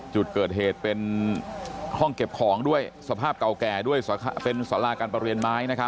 จุดเกิดเหตุเป็นห้องเก็บของด้วยสภาพเก่าแก่ด้วยเป็นสาราการประเรียนไม้